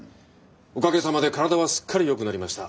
おかげさまで体はすっかり良くなりました」。